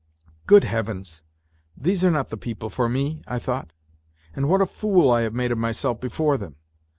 " Good Heavens, these are not the people for me !" I thought. " And what a fool I have made of myself before them